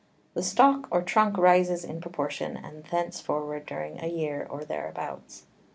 The Stalk or Trunk rises in proportion, and thence forward during a Year, or thereabouts.